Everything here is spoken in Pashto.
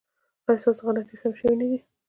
ایا ستاسو غلطۍ سمې شوې نه دي؟